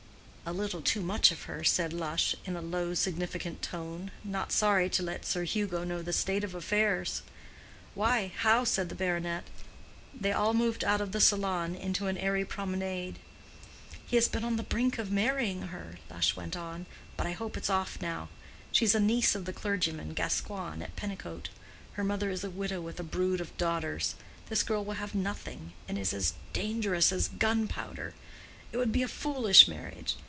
"A little too much of her," said Lush, in a low, significant tone; not sorry to let Sir Hugo know the state of affairs. "Why? how?" said the baronet. They all moved out of the salon into an airy promenade. "He has been on the brink of marrying her," Lush went on. "But I hope it's off now. She's a niece of the clergyman—Gascoigne—at Pennicote. Her mother is a widow with a brood of daughters. This girl will have nothing, and is as dangerous as gunpowder. It would be a foolish marriage.